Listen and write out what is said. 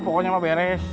pokoknya mah beres